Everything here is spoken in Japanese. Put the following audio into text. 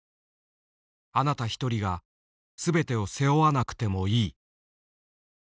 「あなた一人が全てを背負わなくてもいい」。